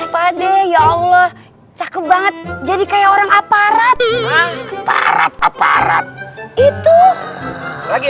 pade ya allah cakep banget jadi kayak orang aparat para aparat itu lagi